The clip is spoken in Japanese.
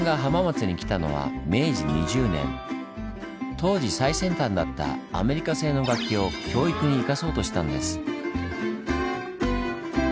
当時最先端だったアメリカ製の楽器を教育に生かそうとしたんです。